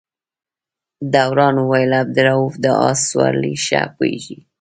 دوران وویل عبدالروف د آس سورلۍ ښه پوهېږي.